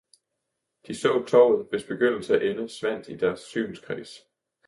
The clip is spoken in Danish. De så tovet, hvis begyndelse og ende svandt i deres synskreds.